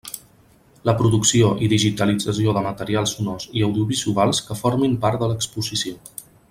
La producció i digitalització de materials sonors i audiovisuals que formin part de l'exposició.